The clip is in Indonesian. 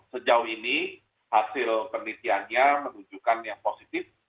dan sejauh ini hasil penelitiannya menunjukkan yang positif